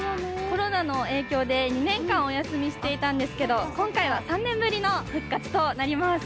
コロナの影響で２年間お休みしていたんですけど、今回は３年ぶりの復活となります。